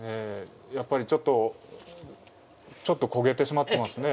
やっぱりちょっと焦げてしまってますね。